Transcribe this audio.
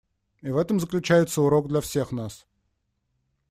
И в этом заключается урок для всех нас.